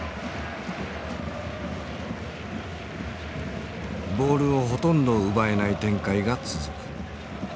ボールをほとんど奪えない展開が続く。